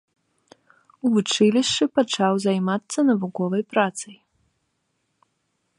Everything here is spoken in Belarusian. У вучылішчы пачаў займацца навуковай працай.